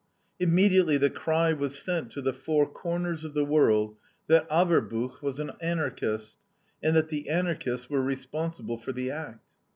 Immediately the cry was sent to the four corners of the world that Averbuch was an Anarchist, and that Anarchists were responsible for the act.